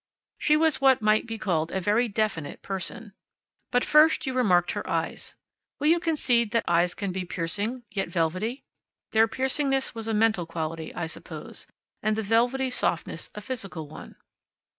She was what might be called a very definite person. But first you remarked her eyes. Will you concede that eyes can be piercing, yet velvety? Their piercingness was a mental quality, I suppose, and the velvety softness a physical one.